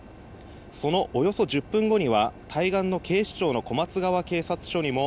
そのおよそ１０分後には対岸の警視庁の小松川警察署にも